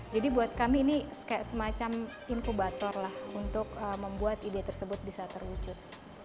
jadi buat kami ini kayak semacam incubator lah untuk membuat ide tersebut bisa terwujud